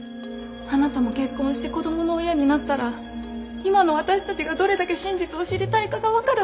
あなたも結婚して子供の親になったら今の私たちがどれだけ真実を知りたいかが分かるはずです。